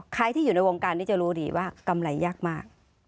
ใครที่อยู่ในวงการนี้จะรู้ดีว่ากำไรยากมาก